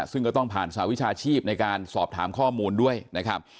ซึ่งก็ต้องผ่านสหวิชาชีพในการสอบถามข้อมูลด้วยนะครับ